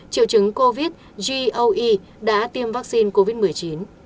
triệu chứng covid goe đã tiêm vaccine covid một mươi chín